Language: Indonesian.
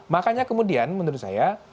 makanya kemudian menurut saya